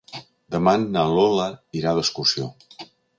Demà na Lola irà d'excursió.